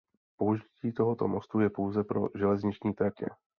Použití tohoto mostu je pouze pro železniční tratě.